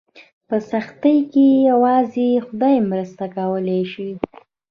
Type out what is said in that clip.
په سختۍ کې یوازې خدای مرسته کولی شي.